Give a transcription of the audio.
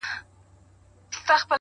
• جنگ دی سوله نه اكثر؛